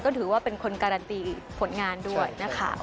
ก็ถือว่าเป็นคนการันตีผลงานด้วยนะคะ